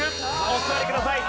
お座りください。